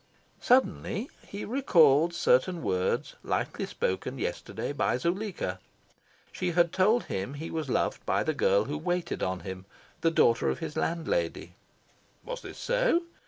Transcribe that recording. Suddenly he recalled certain words lightly spoken yesterday by Zuleika. She had told him he was loved by the girl who waited on him the daughter of his landlady. Was this so?